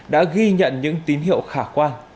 đã ghi nhận những tín hiệu khả quan